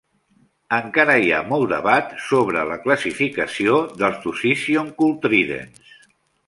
Encara hi ha molt debat sobre la classificació dels "dusicyon cultridens".